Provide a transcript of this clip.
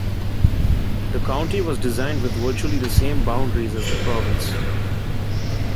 The county was designed with virtually the same boundaries as the province.